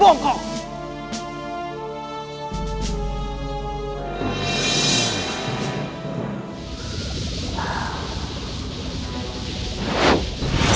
memang défil seperti itu sih pak